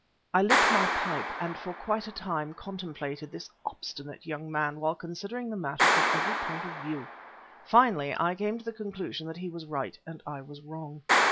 I lit my pipe, and for quite a time contemplated this obstinate young man while considering the matter from every point of view. Finally, I came to the conclusion that he was right and I was wrong.